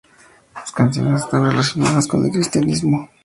Sus canciones están relacionadas con el Cristianismo.